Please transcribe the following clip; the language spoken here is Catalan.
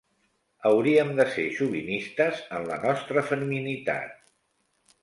Hauríem de ser xovinistes en la nostra feminitat.